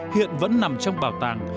hiện vẫn nằm trong bảo tàng